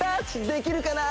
できるかな？